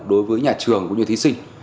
đối với nhà trường của những thí sinh